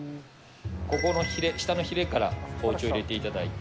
ここのひれ、下のひれから包丁を入れていただいて。